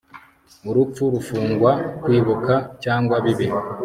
urupfu rufunga kwibuka cyangwa bibi